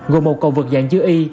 gồm một cầu vực dạng dưới y